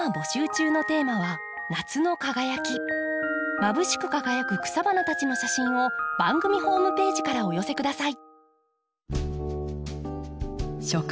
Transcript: まぶしく輝く草花たちの写真を番組ホームページからお寄せ下さい。